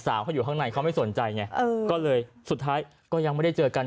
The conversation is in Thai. เขาอยู่ข้างในเขาไม่สนใจไงเออก็เลยสุดท้ายก็ยังไม่ได้เจอกัน